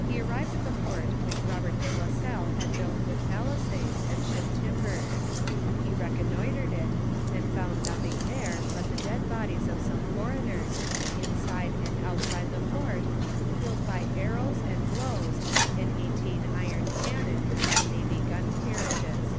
He arrived at the fort whioh Robert de la Salle had built with palisades, and ship timbers: he reconnoitred itt and found nothing there but the dead bodies of some foreigners^ inside and outside the fort^ killed by arrows and blows^ and eighteen ii; pn oannon on navy gun oarriages.